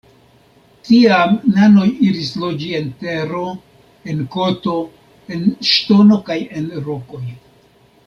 Tiam nanoj iris loĝi en tero, en koto, en ŝtono kaj en rokoj.